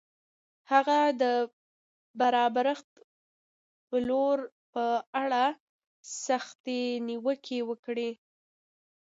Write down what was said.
هغه د برابرښت پلور په اړه سختې نیوکې وکړې.